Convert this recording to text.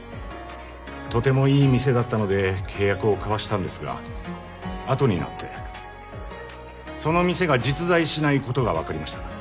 とてもいい店だったので契約を交わしたんですが後になってその店が実在しないことが分かりました。